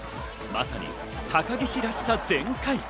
まさに高岸らしさ全開！